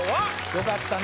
よかったね。